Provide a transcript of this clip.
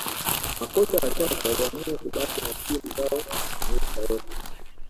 makocha wachache waliamua kubaki na timu zao maisha yote